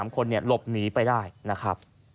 ๓คนหลบหนีไปได้นะครับ